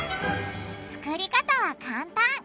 作り方は簡単。